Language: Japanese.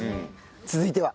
続いては？